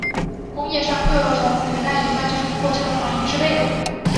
工业上各种氯代乙酸就是通过这个反应制备的。